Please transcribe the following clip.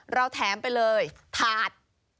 เราแถมไปเลยถาด